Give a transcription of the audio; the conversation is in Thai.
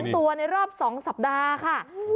๒ตัวในรอบ๒สัปดาห์ค่ะ